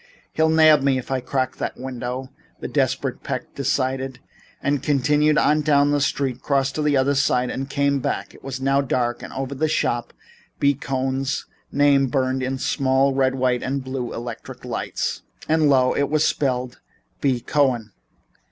"He'll nab me if I crack that window," the desperate Peck decided, and continued on down the street, crossed to the other side and came back. It was now dark and over the art shop B. Cohn's name burned in small red, white and blue electric lights. And lo, it was spelled B. Cohen!